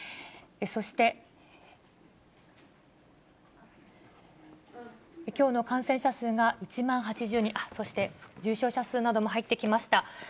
そして、きょうの感染者数が１万８０人、そして、重症者数なども入ってきました。